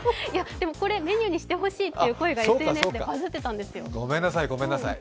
これメニューにしてほしいという発言がＳＮＳでバズってたんです。